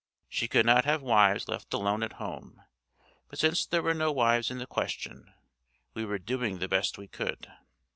She could not have wives left alone at home; but since there were no wives in the question, we were doing the best we could.